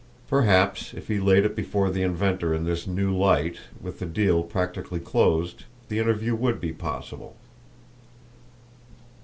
Perhaps, if he laid it before the inventor in this new light, with the deal practically closed, the interview would be possible!